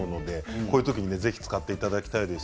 こういう時にぜひ使っていただきたいと思います。